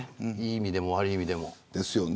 いい意味でも悪い意味でも。